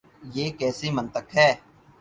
یہ کیسی منطق ہے؟